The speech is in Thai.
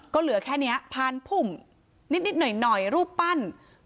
ก็เหลือแค่นี้พานพุ่มนิดหน่อยรูปปั้น